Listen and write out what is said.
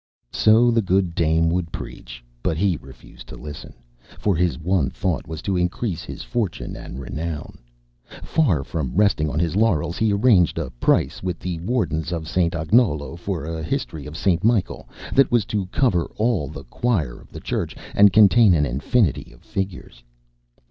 So the good dame would preach, but he refused to listen, for his one thought was to increase his fortune and renown. Far from resting on his laurels, he arranged a price with the Wardens of Sant' Agnolo for a history of St. Michael, that was to cover all the Choir of the Church and contain an infinity of figures.